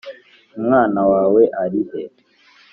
Umwana wawe arihe?